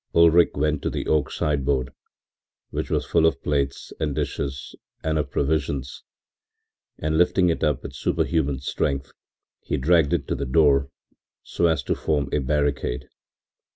Ulrich went to the oak sideboard, which was full of plates and dishes and of provisions, and lifting it up with superhuman strength, he dragged it to the door, so as to form a barricade.